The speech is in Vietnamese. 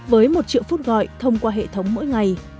với một triệu phút gọi thông qua hệ thống mỗi ngày